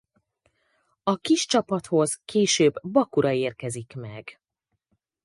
A kis csapathoz később Bakura érkezik meg.